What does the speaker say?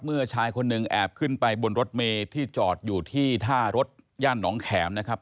ชายคนหนึ่งแอบขึ้นไปบนรถเมย์ที่จอดอยู่ที่ท่ารถย่านหนองแขมนะครับ